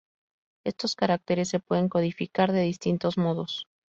Estos caracteres se pueden codificar de distintos modos.